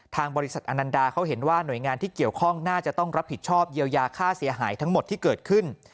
ทางบริษัทอนันดาเขาเห็นว่าหน่วยงานที่เกี่ยวข้องน่าจะต้องรับผิดชอบเยียวยาค่าเสียหายทั้งหมดที่เกิดขึ้น